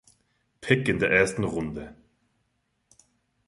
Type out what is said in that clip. Pick in der ersten Runde.